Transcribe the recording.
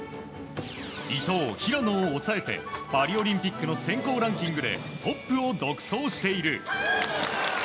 伊藤、平野を抑えてパリオリンピックの選考ランキングでトップを独走している。